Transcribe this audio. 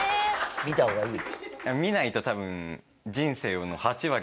見た方がいい？